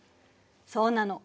そうなの。